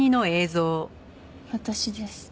私です。